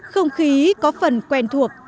không khí có phần quen thuộc